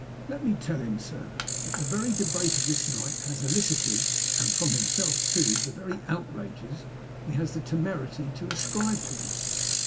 Let me tell him, sir, that the very debate of this night has elicited, and from himself too, the very outrages he has had the temerity to ascribe to us.